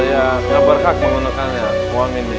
saya gak berhak menggunakan uang ini